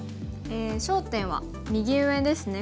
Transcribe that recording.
焦点は右上ですね。